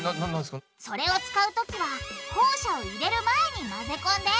それを使うときはホウ砂を入れる前に混ぜ込んで！